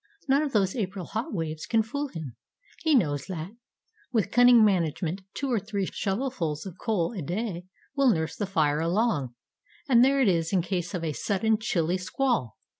None of those April hot waves can fool him; he knows that, with cunning management, two or three shovelfuls of coal a day will nurse the fire along, and there it is in case of a sudden chilly squall.